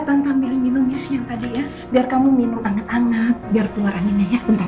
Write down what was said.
eh tante ambil minum ya yang tadi ya biar kamu minum anget anget biar keluar anginnya ya bentar bentar